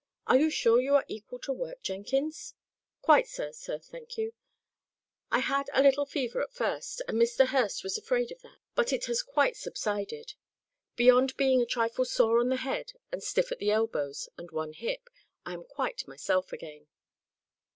"Are you sure you are equal to work, Jenkins?" "Quite so, sir, thank you. I had a little fever at first, and Mr. Hurst was afraid of that; but it has quite subsided. Beyond being a trifle sore on the head, and stiff at the elbows and one hip, I am quite myself again."